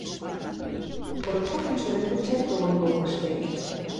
Коротковын шӹвӹльвӹдшӓт толын колтыш вӓк.